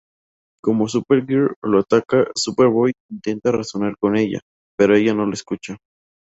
Como Supergirl lo ataca, Superboy intenta razonar con ella, pero ella no lo escucha.